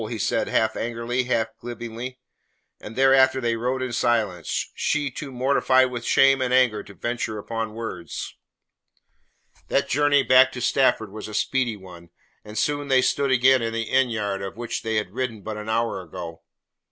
he said half angrily, half gibingly; and thereafter they rode in silence she too mortified with shame and anger to venture upon words. That journey back to Stafford was a speedy one, and soon they stood again in the inn yard out of which she had ridden but an hour ago.